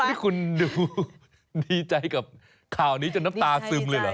นี่คุณดูดีใจกับข่าวนี้จนน้ำตาซึมเลยเหรอ